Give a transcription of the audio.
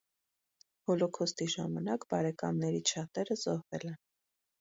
Հոլոքոստի ժամանակ բարեկամներից շատերը զոհվել են։